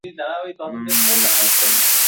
না মানলে সমাজকে ভাঙা হয়।